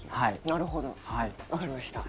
なるほどわかりました。